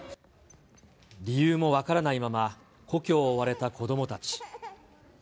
理由も分からないまま、故郷を追われた子どもたち。